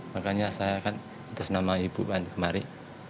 makanya saya kan atas nama ibu kemari